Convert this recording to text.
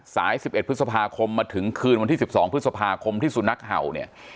สายสิบเอ็ดพฤษภาคมมาถึงคืนวันที่สิบสองพฤษภาคมที่สุนัขเห่าเนี้ย